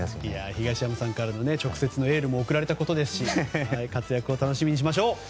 東山さんからの直接のエールも送られたことですし活躍を楽しみにしましょう。